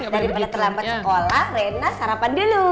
daripada terlambat sekolah rena sarapan dulu